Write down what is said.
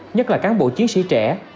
nhất là cán bộ chiến sĩ trẻ